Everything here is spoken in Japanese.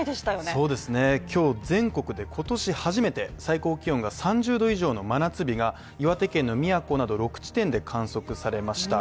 そうですね、今日、全国で今年初めて最高気温が３０度以上の真夏日が岩手県の宮古など６地点で観測されました。